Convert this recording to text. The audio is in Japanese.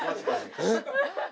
えっ！？